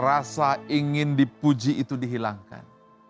rasa ingin dipuji itu dihilangkan